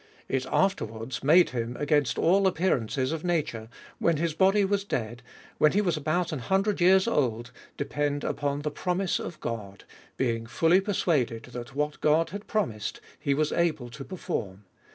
It af SI 8 A SERIOUS CALL TO A terwards made him, against all appearance of nature^ when his bodij was dead, lohen he was about a7i hun dred t/ears old, depend upon the promise of God, be ing J ulh/ persuaded, that what God had promised he was able to perform.